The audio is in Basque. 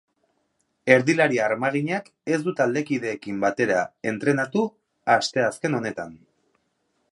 Erdilari armaginak ez du taldekideekin batera entrenatu asteazken honetan.